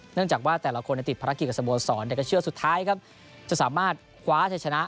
เนื่องจากว่าแต่ละคนติดภารกิจสโมศรในกระเชื้อสุดท้ายจะสามารถขวาเฉชนะ